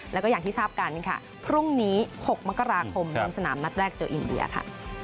แล้วก็อย่างที่ทราบกันค่ะพรุ่งนี้๖มกราคมลงสนามนัดแรกเจออินเดียค่ะ